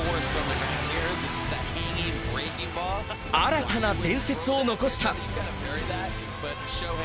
新たな伝説を残した。